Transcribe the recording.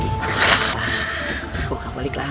bawa dia ke pen